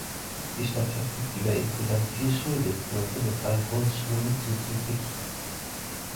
Die Stadt verfügt über insgesamt vier Schulbezirke mit drei Grundschulen zzgl.